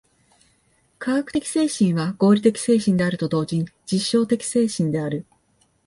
科学的精神は合理的精神であると同時に実証的精神である。